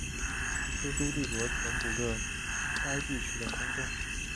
苏苏帝国填补个该地区的空洞。